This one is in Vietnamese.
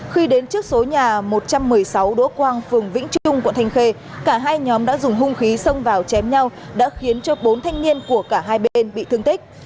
khi đến trước số nhà một trăm một mươi sáu đỗ quang phường vĩnh trung quận thanh khê cả hai nhóm đã dùng hung khí xông vào chém nhau đã khiến cho bốn thanh niên của cả hai bên bị thương tích